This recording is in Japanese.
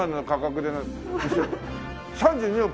３２億？